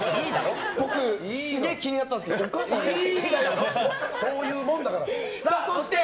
僕、すげえ気になったんですけどはいはい。